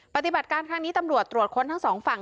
ปฏิบัติการครั้งนี้ตำรวจตรวจค้นทั้งสองฝั่ง